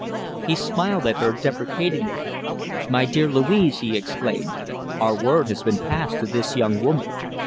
He smiled at her deprecatingly. "My dear Louise!" he exclaimed, "our word has been passed to this young woman.